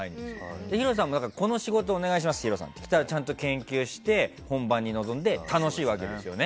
弘さんも、この仕事お願いしますってきたらちゃんと研究して本番に臨んで楽しいわけですよね。